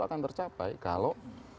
akan tercapai kalau